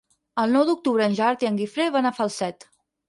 El nou d'octubre en Gerard i en Guifré van a Falset.